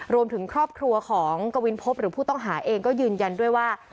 รวมถึงครอบครัวของกวินพบหรือผู้ต้องหาเองก็ยืนยันด้วยว่า